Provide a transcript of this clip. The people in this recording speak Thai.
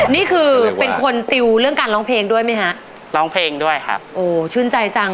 นี่คือเป็นคนติวเรื่องการร้องเพลงด้วยไหมฮะร้องเพลงด้วยครับโอ้ชื่นใจจัง